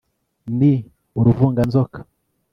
ni uruvunganzoka